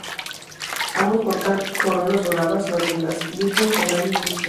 Ambos portan coronas doradas, la de la Virgen con rayos y estrellas.